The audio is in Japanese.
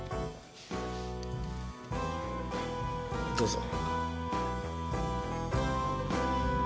どうぞ。